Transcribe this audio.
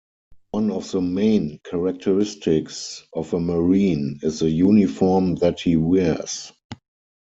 One of the main characteristics of a marine is the uniform that he wears.